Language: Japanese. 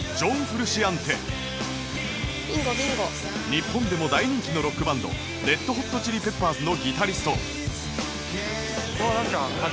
日本でも大人気のロックバンド ＲｅｄＨｏｔＣｈｉｌｉＰｅｐｐｅｒｓ のギタリスト